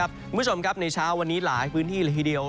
คุณผู้ชมครับในเช้าวันนี้หลายพื้นที่เลยทีเดียว